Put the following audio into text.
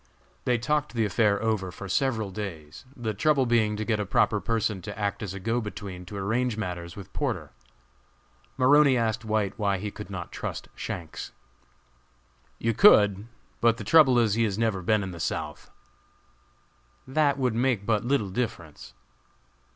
They talked the affair over for several days, the trouble being to get a proper person to act as a go between to arrange matters with Porter. Maroney asked White why he could not trust Shanks. "You could; but the trouble is he has never been in the South." "That would make but little difference."